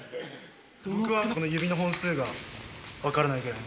僕はこの指の本数が分からないぐらい。